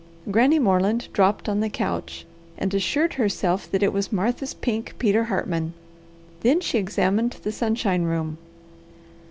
Granny Moreland dropped on the couch and assured herself that it was Martha's pink Peter Hartman. Then she examined the sunshine room.